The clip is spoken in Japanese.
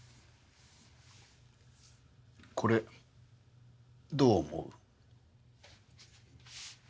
これどう思う？え？